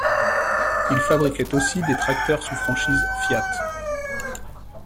Il fabriquait aussi des tracteurs sous franchise Fiat.